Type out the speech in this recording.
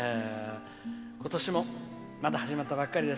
今年もまだ始まったばっかりです。